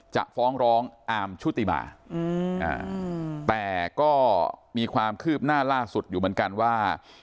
ฟ้องร้องอาร์มชุติมาแต่ก็มีความคืบหน้าล่าสุดอยู่เหมือนกันว่า